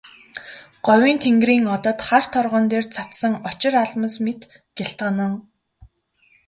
Говийн тэнгэрийн одод хар торгон дээр цацсан очир алмаас мэт гялтганан.